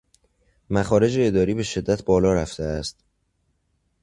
مخارج اداری به شدت بالا رفته است